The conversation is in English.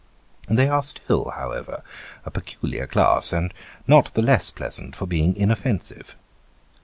They are still, how ever, a peculiar class, and not the less pleasant for being inoffensive.